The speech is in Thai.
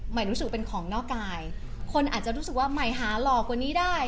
รู้สึกเป็นของนอกกายคนอาจจะรู้สึกว่าใหม่หาหล่อกว่านี้ได้